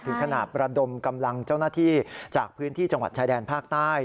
ถึงขนาดประดมกำลังเจ้าหน้าที่จากพื้นที่จังหวัดชายแดนภาคใต้